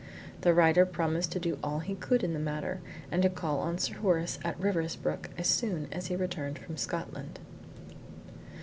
The writer promised to do all he could in the matter, and to call on Sir Horace at Riversbrook as soon as he returned from Scotland.